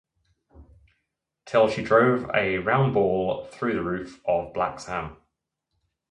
Till she drove a round ball through the roof of Black Sam.